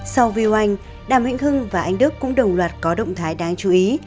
sau viu anh đàm hinh hưng và anh đức cũng đồng loạt có động thái đáng chú ý